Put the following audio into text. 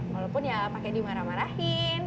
walaupun ya pakai dimarah marahin